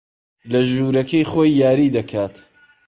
لە ژوورەکەی خۆی یاری دەکات.